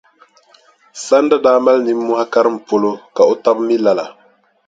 Sanda daa mali nimmohi karim polo ka o taba mi lala.